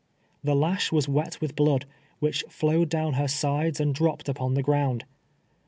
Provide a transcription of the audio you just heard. The lash was wet with blood, which flowed down her sides and dropped upon the ground.